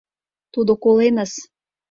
— Тудо коленыс.